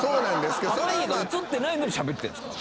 濱家が映ってないのにしゃべってるんですか？